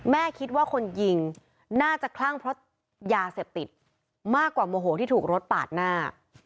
คิดว่าคนยิงน่าจะคลั่งเพราะยาเสพติดมากกว่าโมโหที่ถูกรถปาดหน้า